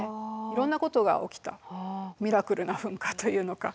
いろんなことが起きたミラクルな噴火というのか。